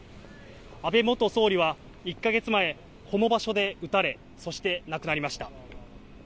安倍元総理は、１か月前、この場所で撃たれ、そして亡くなりました。